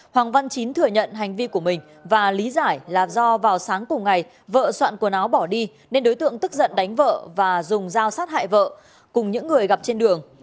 hoàng văn chín thừa nhận hành vi của mình và lý giải là do vào sáng cùng ngày vợ soạn quần áo bỏ đi nên đối tượng tức giận đánh vợ và dùng dao sát hại vợ cùng những người gặp trên đường